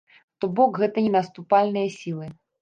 То бок, гэта не наступальныя сілы.